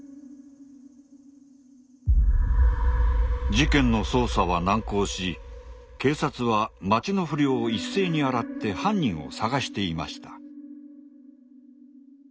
事件の捜査は難航し警察は町の不良を一斉に洗って犯人を捜していました。